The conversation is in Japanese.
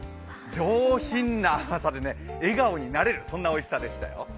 上品な甘さで笑顔になれる、そんなおいしさでしたよ。